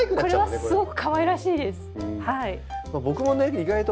これはすごくかわいらしいです。